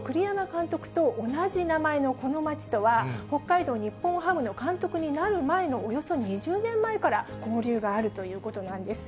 取材をしたところ、栗山監督と同じ名前のこの町とは、北海道日本ハムの監督になる前のおよそ２０年前から交流があるということなんです。